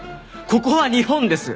ここは日本です！